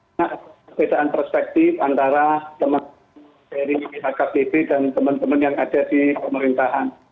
karena perbedaan perspektif antara teman teman dari pihak kbp dan teman teman yang ada di pemerintahan